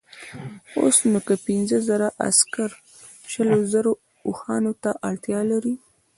اوس نو که پنځه زره عسکر شلو زرو اوښانو ته اړتیا لري.